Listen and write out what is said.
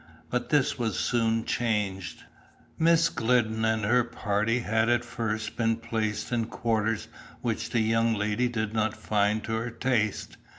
But this was soon changed. Miss Glidden and her party had at first been placed in quarters which the young lady did not find to her taste.